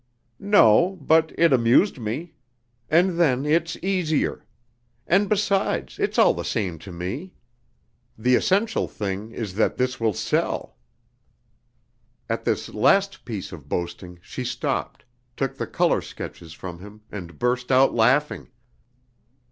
"No, but it amused me.... And then, it's easier.... And besides, it's all the same to me. The essential thing is that this will sell...." At this last piece of boasting she stopped, took the color sketches from him and burst out laughing.